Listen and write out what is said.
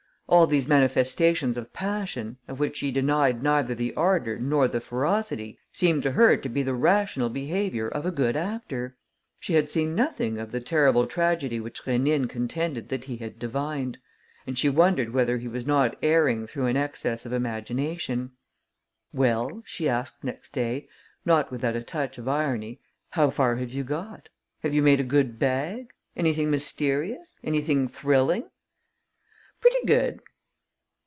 All these manifestations of passion, of which she denied neither the ardour nor the ferocity, seemed to her to be the rational behaviour of a good actor. She had seen nothing of the terrible tragedy which Rénine contended that he had divined; and she wondered whether he was not erring through an excess of imagination. "Well," she asked, next day, not without a touch of irony, "how far have you got? Have you made a good bag? Anything mysterious? Anything thrilling?" "Pretty good."